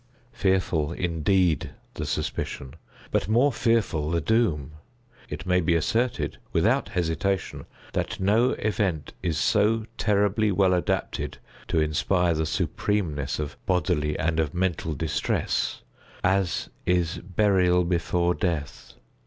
Fearful indeed the suspicion—but more fearful the doom! It may be asserted, without hesitation, that no event is so terribly well adapted to inspire the supremeness of bodily and of mental distress, as is burial before death.